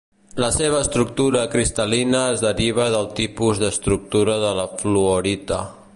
La seva estructura cristal·lina es deriva del tipus d'estructura de la fluorita.